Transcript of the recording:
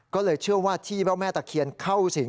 ก็เลยเชื่อว่าที่พระแม่ตะเคียนเข้าสิง